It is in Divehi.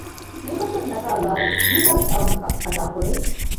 މިގޮތުން ނަގައި ލާރި ވީހައިވެސް އަވަހަކަށް އަދާކުރޭ